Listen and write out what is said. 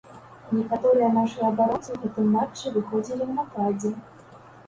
Некаторыя нашыя абаронцы ў гэтым матчы выходзілі ў нападзе.